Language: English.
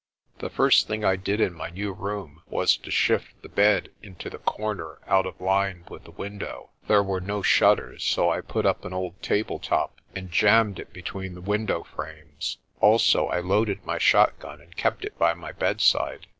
The first thing I did in my new room was to shift the bed into the corner out of line with the window. There were no shutters, so I put up an old table top and jammed it between the window frames. Also, I loaded my shotgun and kept it by my bedside.